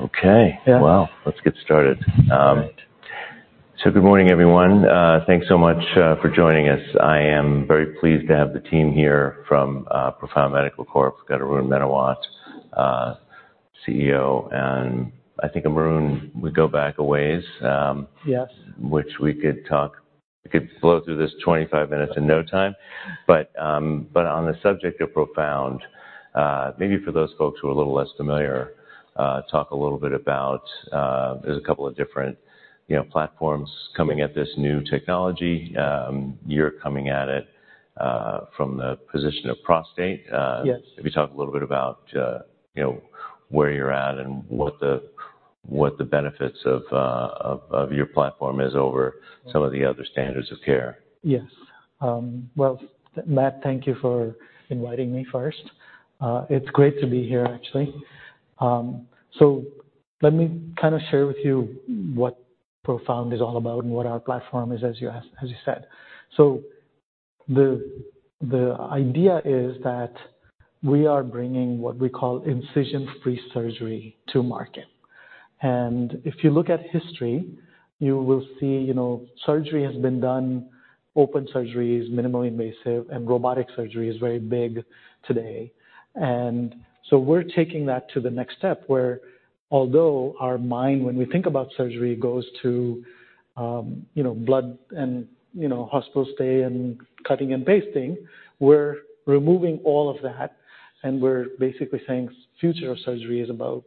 Okay. Yeah. Well, let's get started. So good morning, everyone. Thanks so much for joining us. I am very pleased to have the team here from Profound Medical Corp. We've got Arun Menawat, CEO, and I think, Arun, we go back a ways. which we could talk, we could blow through this 25 minutes in no time. But on the subject of Profound, maybe for those folks who are a little less familiar, talk a little bit about, there's a couple of different, you know, platforms coming at this new technology. You're coming at it, from the position of prostate. Maybe talk a little bit about, you know, where you're at and what the benefits of your platform is over some of the other standards of care. Yes. Well, Matt, thank you for inviting me first. It's great to be here, actually. So let me kind of share with you what Profound is all about and what our platform is, as you asked, as you said. So the idea is that we are bringing what we call incision-free surgery to market. And if you look at history, you will see, you know, surgery has been done, open surgery is minimally invasive, and robotic surgery is very big today. And so we're taking that to the next step, where although our mind, when we think about surgery, goes to, you know, blood and, you know, hospital stay and cutting and pasting, we're removing all of that, and we're basically saying future of surgery is about,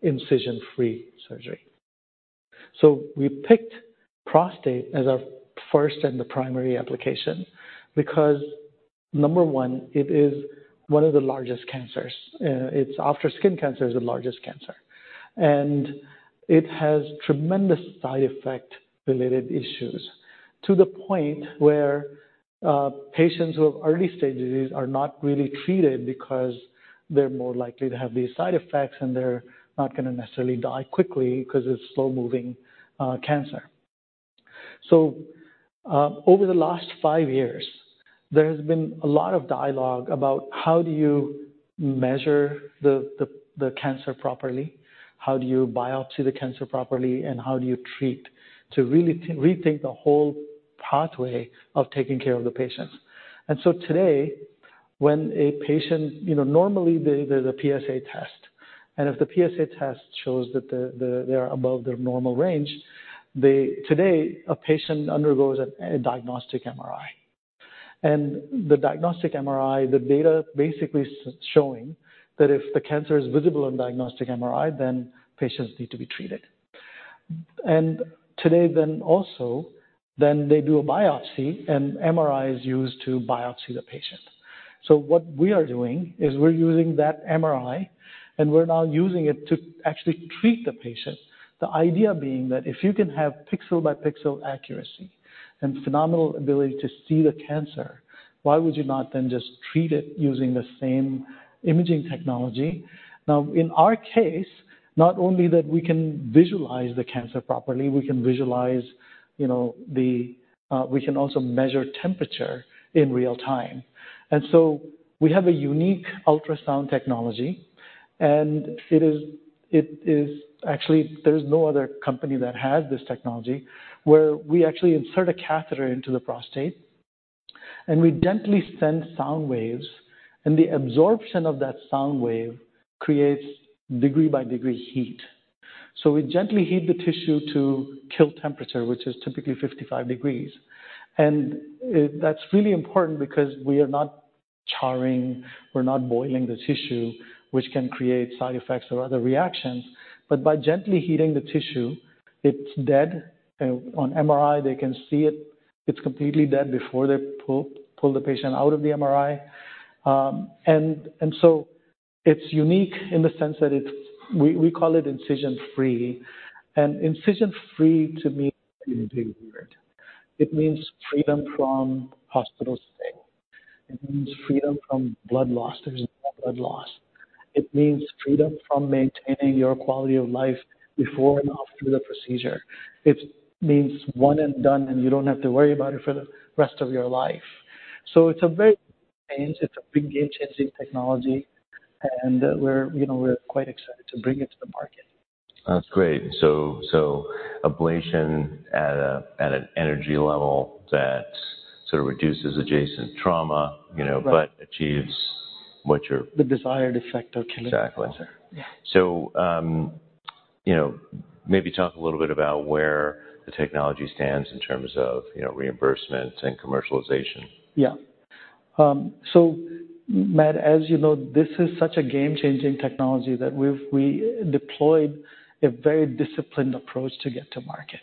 incision-free surgery. So we picked prostate as our first and the primary application because, number one, it is one of the largest cancers. It's after skin cancer, is the largest cancer, and it has tremendous side effect-related issues, to the point where patients who have early-stage disease are not really treated because they're more likely to have these side effects, and they're not gonna necessarily die quickly because it's slow-moving cancer. So over the last five years, there has been a lot of dialogue about how do you measure the, the, the cancer properly? How do you biopsy the cancer properly? And how do you treat to really rethink the whole pathway of taking care of the patients? And so today, when a patient... You know, normally there's a PSA test, and if the PSA test shows that they are above their normal range, today a patient undergoes a diagnostic MRI. And the diagnostic MRI data basically showing that if the cancer is visible on diagnostic MRI, then patients need to be treated. And today, they also do a biopsy, and MRI is used to biopsy the patient. So what we are doing is we're using that MRI, and we're now using it to actually treat the patient. The idea being that if you can have pixel-by-pixel accuracy and phenomenal ability to see the cancer, why would you not then just treat it using the same imaging technology? Now, in our case, not only that we can visualize the cancer properly, we can visualize, you know, the, we can also measure temperature in real time. And so we have a unique ultrasound technology, and it is actually, there is no other company that has this technology, where we actually insert a catheter into the prostate, and we gently send sound waves, and the absorption of that sound wave creates degree-by-degree heat. So we gently heat the tissue to kill temperature, which is typically 55 degrees. And that's really important because we are not charring, we're not boiling the tissue, which can create side effects or other reactions. But by gently heating the tissue, it's dead. On MRI, they can see it. It's completely dead before they pull the patient out of the MRI. And so it's unique in the sense that it's—we call it incision-free, and incision-free to me, it means freedom from hospital stay. It means freedom from blood loss. There's no blood loss. It means freedom from maintaining your quality of life before and after the procedure. It means one and done, and you don't have to worry about it for the rest of your life. So it's a very change. It's a big game-changing technology, and we're, you know, quite excited to bring it to the market. That's great. Ablation at an energy level that sort of reduces adjacent trauma, you know, but achieves what you're- The desired effect of killing. Exactly. Yeah. So, you know, maybe talk a little bit about where the technology stands in terms of, you know, reimbursements and commercialization. Yeah. So Matt, as you know, this is such a game-changing technology that we've deployed a very disciplined approach to get to market.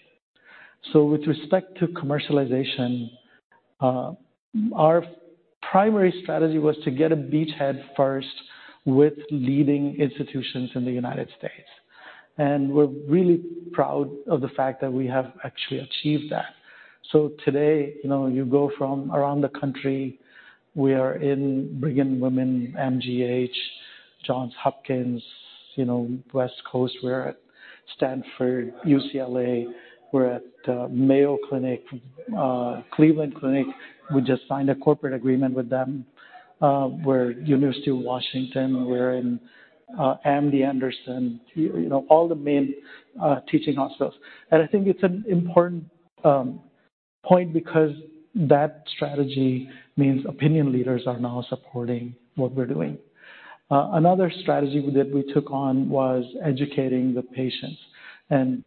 So with respect to commercialization, our primary strategy was to get a beachhead first with leading institutions in the United States, and we're really proud of the fact that we have actually achieved that. So today, you know, you go from around the country, we are in Brigham and Women's, MGH, Johns Hopkins, you know, West Coast, we're at Stanford, UCLA, we're at Mayo Clinic, Cleveland Clinic. We just signed a corporate agreement with them. We're at University of Washington, we're in MD Anderson, you know, all the main teaching hospitals. And I think it's an important point because that strategy means opinion leaders are now supporting what we're doing. Another strategy that we took on was educating the patients, and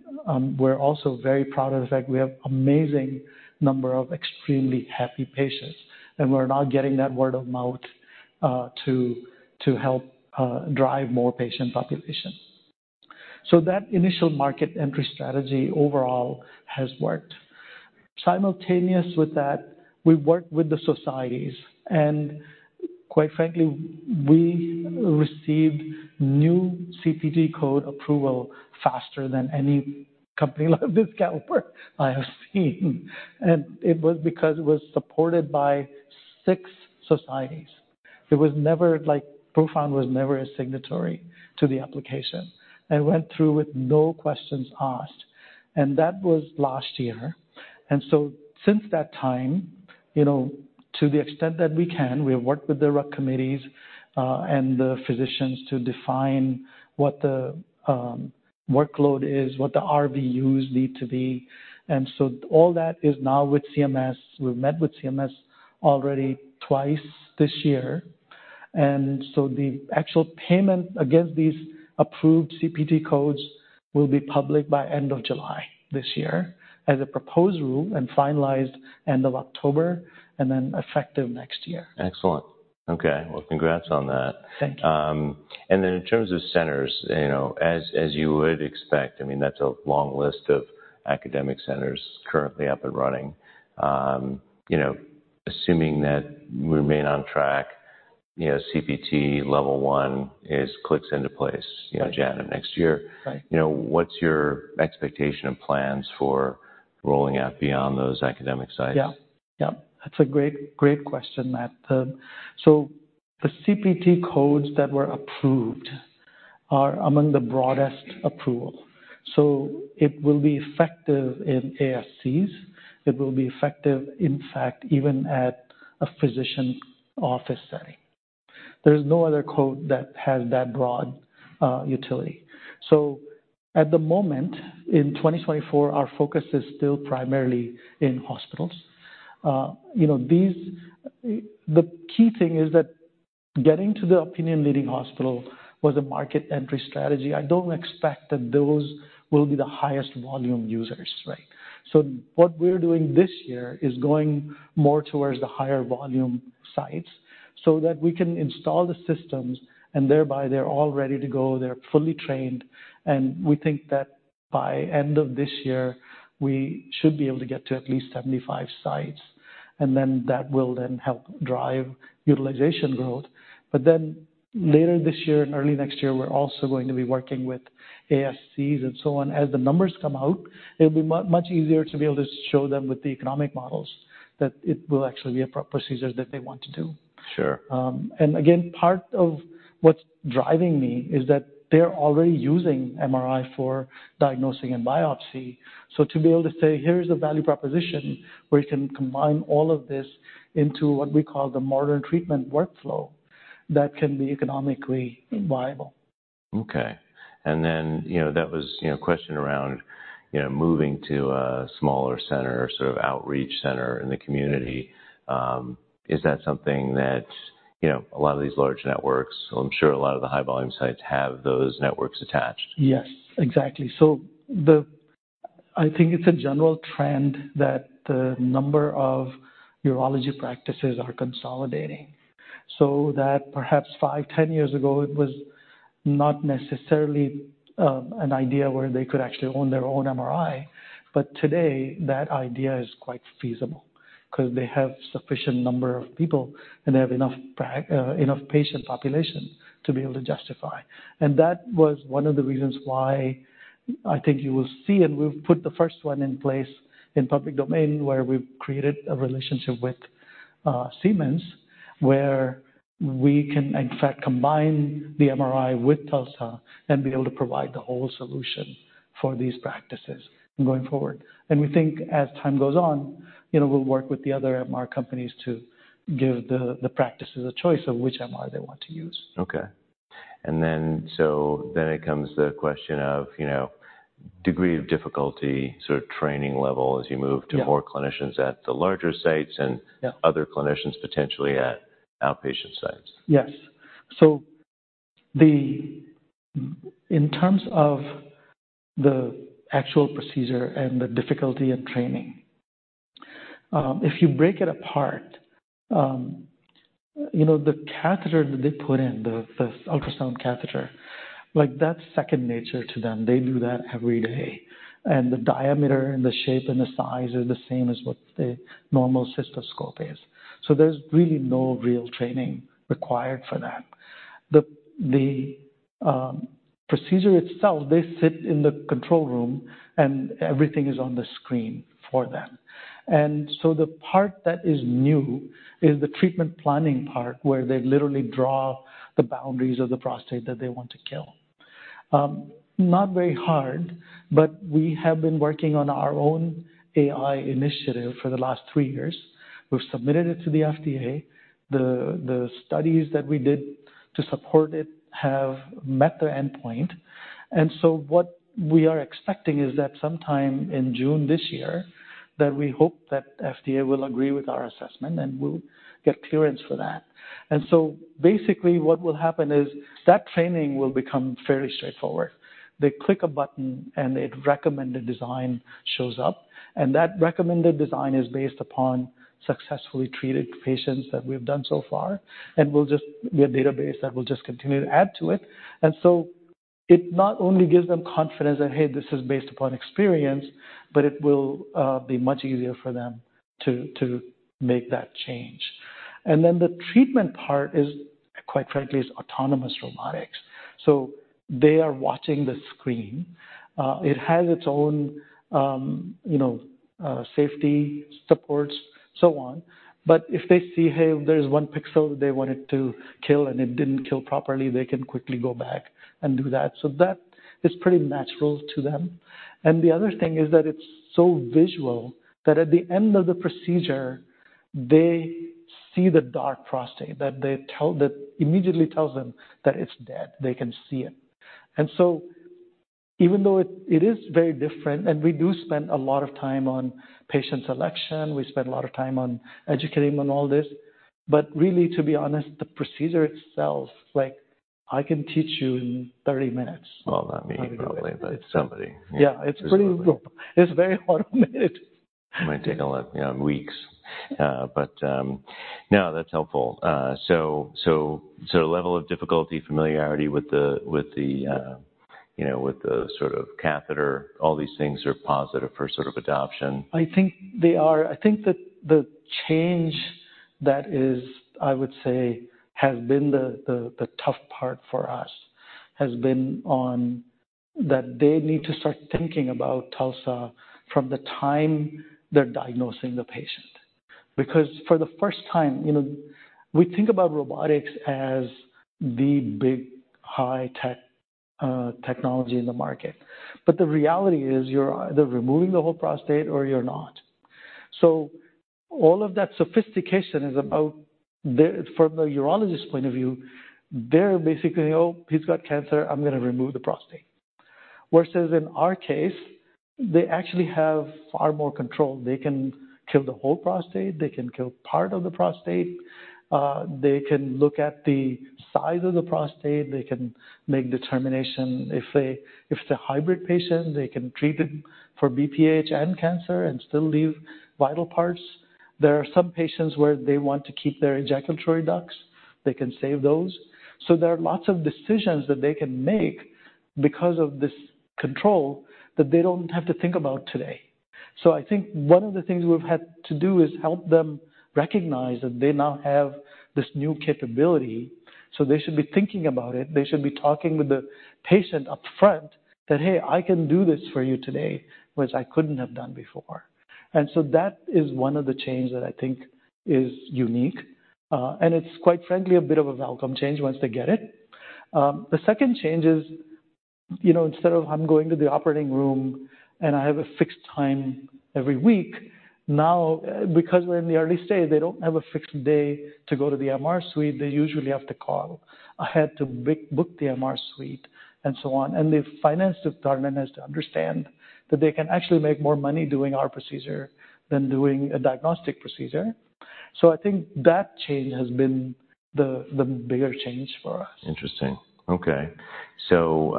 we're also very proud of the fact we have amazing number of extremely happy patients, and we're now getting that word-of-mouth to help drive more patient population. So that initial market entry strategy overall has worked. Simultaneous with that, we worked with the societies, and quite frankly, we received new CPT code approval faster than any company like this all work I have seen. It was because it was supported by six societies. It was never, like, Profound was never a signatory to the application, and went through with no questions asked, and that was last year. And so since that time, you know, to the extent that we can, we have worked with the RUC committees, and the physicians to define what the workload is, what the RVUs need to be. And so all that is now with CMS. We've met with CMS already twice this year, and so the actual payment against these approved CPT codes will be public by end of July this year as a proposed rule, and finalized end of October, and then effective next year. Excellent. Okay, well, congrats on that. Thank you. And then in terms of centers, you know, as you would expect, I mean, that's a long list of academic centers currently up and running. You know, assuming that we remain on track, you know, CPT level one clicks into place, you know, January of next year. Right. You know, what's your expectation and plans for rolling out beyond those academic sites? Yeah, that's a great, great question, Matt. So the CPT codes that were approved are among the broadest approval, so it will be effective in ASCs. It will be effective, in fact, even at a physician office setting. There's no other code that has that broad, utility. So at the moment, in 2024, our focus is still primarily in hospitals. You know, the key thing is that getting to the opinion leading hospital was a market entry strategy. I don't expect that those will be the highest volume users, right? So what we're doing this year is going more towards the higher volume sites, so that we can install the systems, and thereby they're all ready to go, they're fully trained. We think that by end of this year, we should be able to get to at least 75 sites, and then that will then help drive utilization growth. Then later this year and early next year, we're also going to be working with ASCs and so on. As the numbers come out, it'll be much easier to be able to show them with the economic models that it will actually be a procedure that they want to do. Sure. And again, part of what's driving me is that they're already using MRI for diagnosing and biopsy. So to be able to say, "Here's a value proposition where you can combine all of this into what we call the modern treatment workflow," that can be economically viable. Okay. And then, you know, that was, you know, a question around, you know, moving to a smaller center or sort of outreach center in the community. Is that something that, you know, a lot of these large networks, I'm sure a lot of the high-volume sites have those networks attached? Yes, exactly. So I think it's a general trend that the number of urology practices are consolidating. So that perhaps 5, 10 years ago, it was not necessarily an idea where they could actually own their own MRI. But today, that idea is quite feasible because they have sufficient number of people, and they have enough patient population to be able to justify. And that was one of the reasons why I think you will see, and we've put the first one in place in public domain, where we've created a relationship with Siemens, where we can, in fact, combine the MRI with TULSA and be able to provide the whole solution for these practices going forward. We think as time goes on, you know, we'll work with the other MR companies to give the practices a choice of which MRI they want to use. Okay. Then it comes the question of, you know, degree of difficulty, sort of training level as you move to more clinicians at the larger sites and other clinicians potentially at outpatient sites. Yes. So the, in terms of the actual procedure and the difficulty in training, if you break it apart, you know, the catheter that they put in, the ultrasound catheter, like, that's second nature to them. They do that every day. And the diameter and the shape and the size are the same as what the normal cystoscope is. So there's really no real training required for that. The procedure itself, they sit in the control room, and everything is on the screen for them. And so the part that is new is the treatment planning part, where they literally draw the boundaries of the prostate that they want to kill... Not very hard, but we have been working on our own AI initiative for the last three years. We've submitted it to the FDA. The studies that we did to support it have met the endpoint. And so what we are expecting is that sometime in June this year, that we hope that FDA will agree with our assessment, and we'll get clearance for that. And so basically, what will happen is that training will become fairly straightforward. They click a button, and a recommended design shows up, and that recommended design is based upon successfully treated patients that we've done so far, and we'll just be a database that will just continue to add to it. And so it not only gives them confidence that, "Hey, this is based upon experience," but it will be much easier for them to make that change. And then the treatment part is, quite frankly, autonomous robotics. So they are watching the screen. It has its own, you know, safety supports, so on. But if they see, hey, there's one pixel they wanted to kill, and it didn't kill properly, they can quickly go back and do that. So that is pretty natural to them. And the other thing is that it's so visual that at the end of the procedure, they see the dark prostate. That immediately tells them that it's dead. They can see it. And so even though it is very different, and we do spend a lot of time on patient selection, we spend a lot of time on educating on all this, but really, to be honest, the procedure itself, like, I can teach you in 30 minutes. Well, not me, probably, but somebody. Yeah, it's very automated. It might take a lot, yeah, weeks. But no, that's helpful. So level of difficulty, familiarity with the, you know, with the sort of catheter, all these things are positive for sort of adoption. I think they are. I think that the change that is, I would say, has been the tough part for us, has been on... That they need to start thinking about TULSA from the time they're diagnosing the patient. Because for the first time, you know, we think about robotics as the big, high tech, technology in the market. But the reality is, you're either removing the whole prostate or you're not. So all of that sophistication is about the, from the urologist's point of view, they're basically, "Oh, he's got cancer, I'm gonna remove the prostate." Versus in our case, they actually have far more control. They can kill the whole prostate, they can kill part of the prostate, they can look at the size of the prostate, they can make determination. If it's a hybrid patient, they can treat it for BPH and cancer and still leave vital parts. There are some patients where they want to keep their ejaculatory ducts, they can save those. So there are lots of decisions that they can make because of this control that they don't have to think about today. So I think one of the things we've had to do is help them recognize that they now have this new capability, so they should be thinking about it. They should be talking with the patient upfront that, "Hey, I can do this for you today, which I couldn't have done before." And so that is one of the change that I think is unique, and it's quite frankly, a bit of a welcome change once they get it. The second change is, you know, instead of I'm going to the operating room and I have a fixed time every week, now, because we're in the early stage, they don't have a fixed day to go to the MR suite. They usually have to call ahead to book the MR suite and so on. And the finance department has to understand that they can actually make more money doing our procedure than doing a diagnostic procedure. So I think that change has been the bigger change for us. Interesting. Okay. So,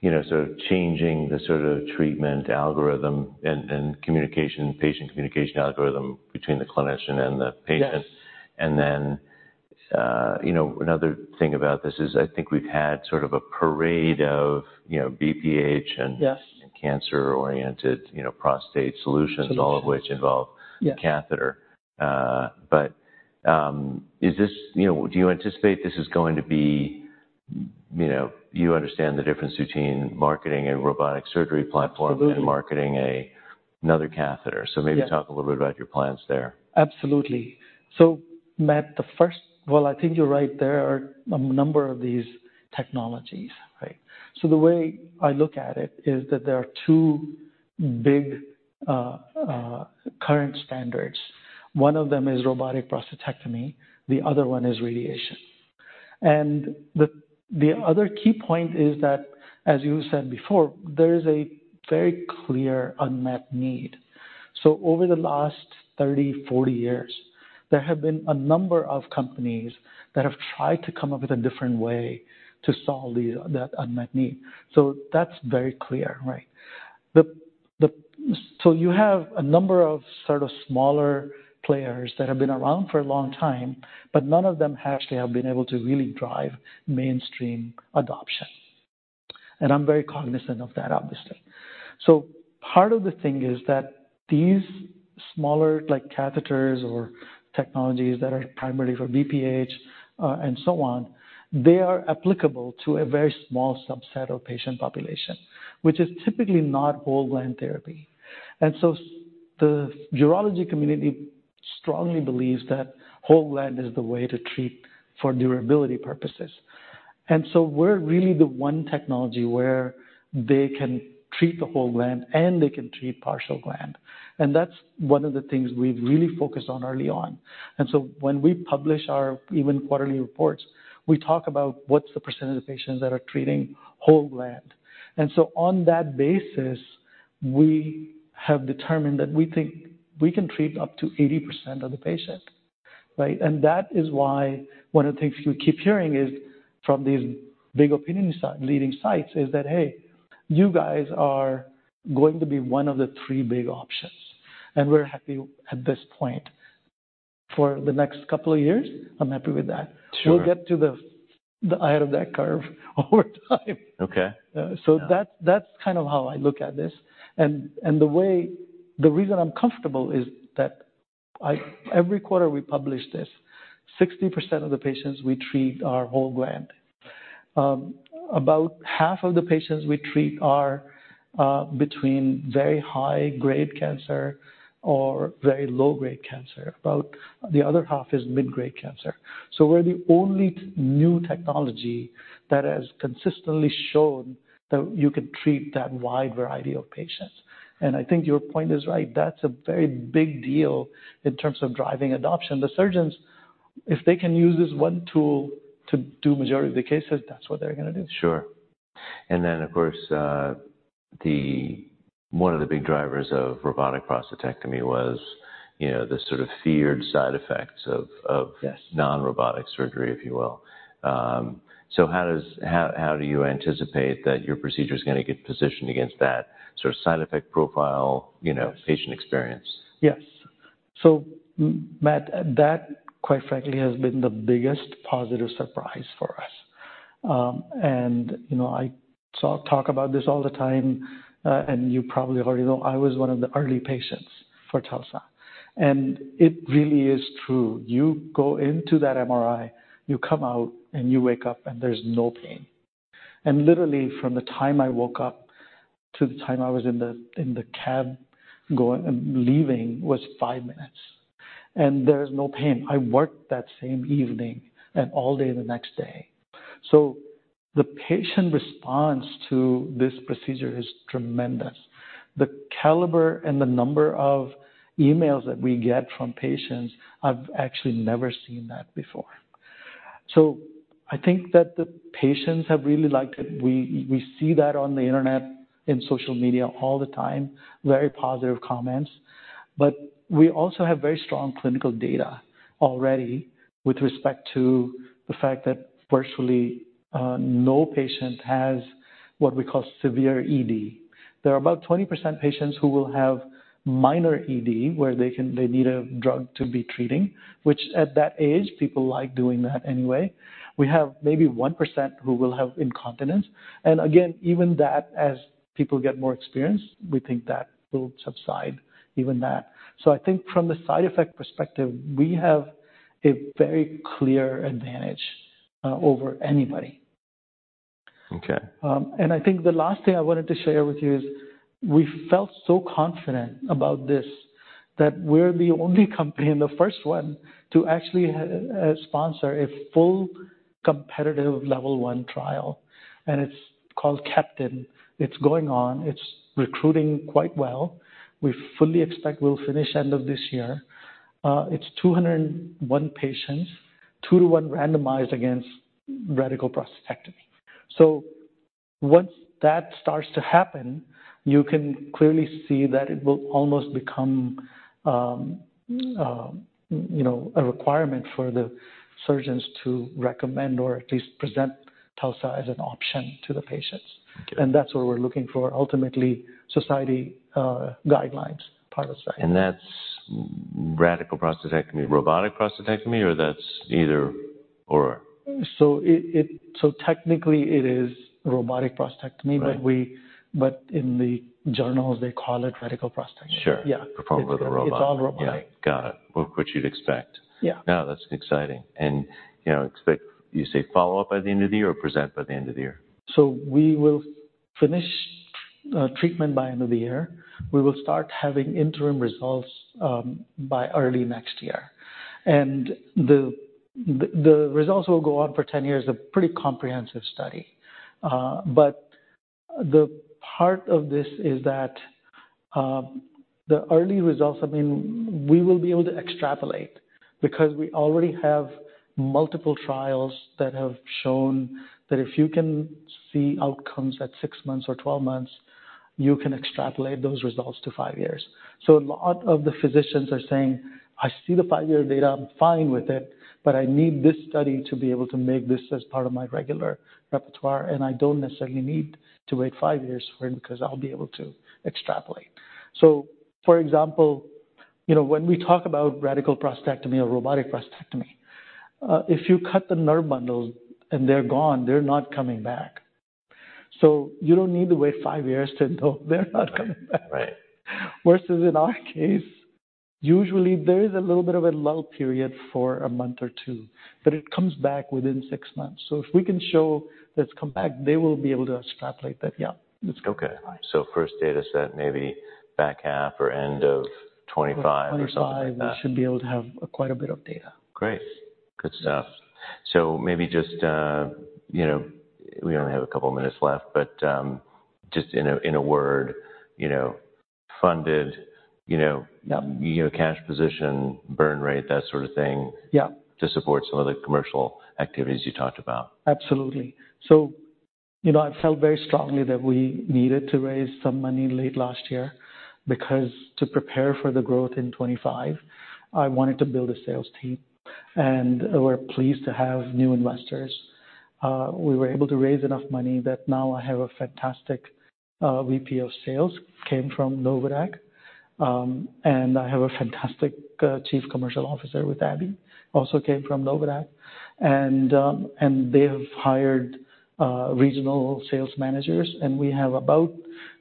you know, so changing the sort of treatment algorithm and, and communication, patient communication algorithm between the clinician and the patient. And then, you know, another thing about this is I think we've had sort of a parade of, you know, BPH and cancer-oriented, you know, prostate solutions all of which involve catheter. But, is this... You know, do you anticipate this is going to be, you know, you understand the difference between marketing a robotic surgery platform and marketing another catheter? Maybe talk a little bit about your plans there. Absolutely. So, Matt, Well, I think you're right, there are a number of these technologies, right? So the way I look at it is that there are two big, current standards. One of them is robotic prostatectomy, the other one is radiation. And the other key point is that, as you said before, there is a very clear unmet need. So over the last 30, 40 years, there have been a number of companies that have tried to come up with a different way to solve the, that unmet need. So that's very clear, right? So you have a number of sort of smaller players that have been around for a long time, but none of them actually have been able to really drive mainstream adoption, and I'm very cognizant of that, obviously. So part of the thing is that these smaller, like, catheters or technologies that are primarily for BPH, and so on, they are applicable to a very small subset of patient population, which is typically not whole-gland therapy. And so the urology community strongly believes that whole gland is the way to treat for durability purposes. And so we're really the one technology where they can treat the whole gland, and they can treat partial gland. And that's one of the things we've really focused on early on. And so when we publish our even quarterly reports, we talk about what's the percentage of patients that are treating whole gland. And so on that basis, we have determined that we think we can treat up to 80% of the patient, right? And that is why one of the things you keep hearing is, from these big opinion-leading sites, that "Hey, you guys are going to be one of the three big options." And we're happy at this point. For the next couple of years, I'm happy with that. Sure. We'll get to the eye of that curve over time. Okay. So that's kind of how I look at this. And the way... The reason I'm comfortable is that every quarter we publish this, 60% of the patients we treat are whole gland. About half of the patients we treat are between very high-grade cancer or very low-grade cancer, about the other half is mid-grade cancer. So we're the only new technology that has consistently shown that you can treat that wide variety of patients. And I think your point is right, that's a very big deal in terms of driving adoption. The surgeons, if they can use this one tool to do majority of the cases, that's what they're gonna do. Sure. And then, of course, one of the big drivers of robotic prostatectomy was, you know, the sort of feared side effects of non-robotic surgery, if you will. So how do you anticipate that your procedure is gonna get positioned against that sort of side effect profile, you know, patient experience? Yes. So, Matt, that, quite frankly, has been the biggest positive surprise for us. And, you know, as I talk about this all the time, and you probably already know, I was one of the early patients for TULSA. And it really is true. You go into that MRI, you come out, and you wake up, and there's no pain. And literally, from the time I woke up to the time I was in the cab, going leaving, was five minutes. And there is no pain. I worked that same evening and all day the next day. So the patient response to this procedure is tremendous. The caliber and the number of emails that we get from patients, I've actually never seen that before. So I think that the patients have really liked it. We see that on the internet, in social media all the time, very positive comments. But we also have very strong clinical data already with respect to the fact that virtually no patient has what we call severe ED. There are about 20% patients who will have minor ED, where they need a drug to be treating, which at that age, people like doing that anyway. We have maybe 1% who will have incontinence. And again, even that, as people get more experienced, we think that will subside, even that. So I think from the side effect perspective, we have a very clear advantage over anybody. Okay. And I think the last thing I wanted to share with you is, we felt so confident about this, that we're the only company and the first one to actually sponsor a full competitive level one trial, and it's called CAPTAIN. It's going on. It's recruiting quite well. We fully expect we'll finish end of this year. It's 201 patients, 2-to-1 randomized against radical prostatectomy. So once that starts to happen, you can clearly see that it will almost become, you know, a requirement for the surgeons to recommend or at least present TULSA as an option to the patients. That's what we're looking for, ultimately, society guidelines, pilot study. That's Radical Prostatectomy, robotic prostatectomy, or that's either/or? So technically, it is robotic prostatectomy. But in the journals, they call it Radical Prostatectomy. Sure. Yeah. Performed with a robot. It's all robotic. Yeah. Got it. Well, which you'd expect. Yeah. Now, that's exciting. And, you know, expect, you say follow up by the end of the year or present by the end of the year? We will finish treatment by end of the year. We will start having interim results by early next year. The results will go on for 10 years, a pretty comprehensive study. But the part of this is that the early results, I mean, we will be able to extrapolate because we already have multiple trials that have shown that if you can see outcomes at 6 months or 12 months, you can extrapolate those results to 5 years. So a lot of the physicians are saying: I see the 5-year data, I'm fine with it, but I need this study to be able to make this as part of my regular repertoire, and I don't necessarily need to wait 5 years for it because I'll be able to extrapolate. So, for example, you know, when we talk about Radical Prostatectomy or robotic prostatectomy, if you cut the nerve bundles and they're gone, they're not coming back. So you don't need to wait five years to know they're not coming back. Right. Versus in our case, usually there is a little bit of a lull period for a month or two, but it comes back within six months. So if we can show that it's come back, they will be able to extrapolate that, yeah. Okay. So first data set, maybe back half or end of 2025 or something like that. 2025, we should be able to have quite a bit of data. Great! Good stuff... So maybe just, you know, we only have a couple minutes left, but, just in a word, you know, your cash position, burn rate, that sort of thing to support some of the commercial activities you talked about. Absolutely. So, you know, I felt very strongly that we needed to raise some money late last year because to prepare for the growth in 2025, I wanted to build a sales team, and we're pleased to have new investors. We were able to raise enough money that now I have a fantastic VP of sales, came from Novadaq. And I have a fantastic chief commercial officer with Abbey, also came from Novadaq. And, and they have hired regional sales managers, and we have about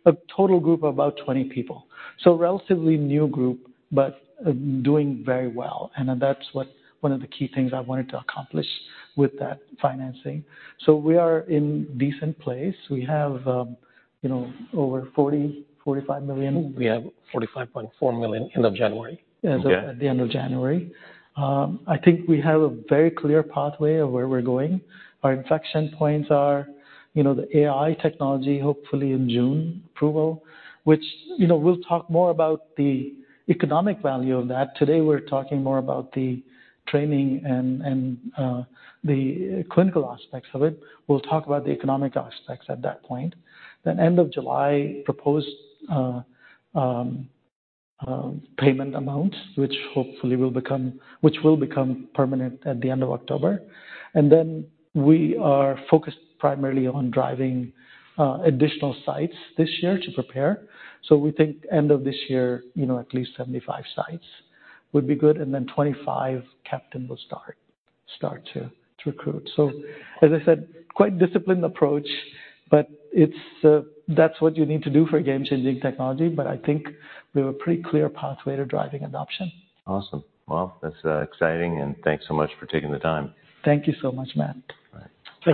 a total group of about 20 people. So relatively new group, but doing very well, and that's what one of the key things I wanted to accomplish with that financing. So we are in decent place. We have, you know, over 40-45 million. We have 45.4 million end of January. As of the end of January. I think we have a very clear pathway of where we're going. Our inflection points are, you know, the AI technology, hopefully in June, approval, which, you know, we'll talk more about the economic value of that. Today, we're talking more about the training and the clinical aspects of it. We'll talk about the economic aspects at that point. Then end of July, proposed payment amounts, which hopefully will become--which will become permanent at the end of October. Then we are focused primarily on driving additional sites this year to prepare. So we think end of this year, you know, at least 75 sites would be good, and then 25 CAPTAIN will start to recruit. As I said, quite disciplined approach, but it's, that's what you need to do for a game-changing technology. I think we have a pretty clear pathway to driving adoption. Awesome. Well, that's exciting, and thanks so much for taking the time. Thank you so much, Matt. All right.